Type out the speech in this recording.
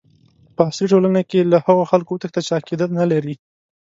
په عصري ټولنه کې له هغو خلکو وتښته چې عقیده نه لري.